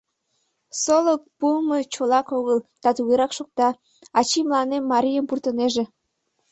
Солык пуымо чолак огыл, да тугерак шокта: ачий мыланем марийым пуртынеже.